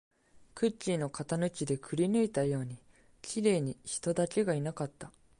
クッキーの型抜きでくりぬいたように、綺麗に人だけがいなかった